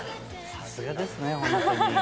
さすがですねホントに。